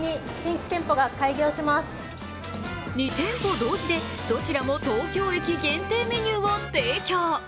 ２店舗同時でどちらも東京駅限定メニューを提供。